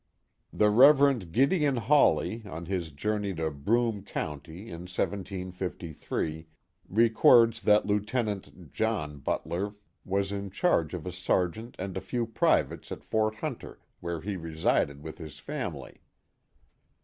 The Rev. Gideon Hawley, in his journey to Broome County, in 1753, records that Lieutenant (John) Butler was in charge of a sergeant and a few privates at Fort Hunter, where he resided with his family.